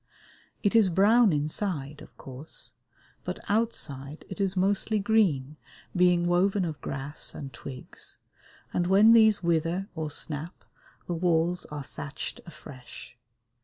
It is brown inside, of course, but outside it is mostly green, being woven of grass and twigs, and when these wither or snap the walls are thatched afresh.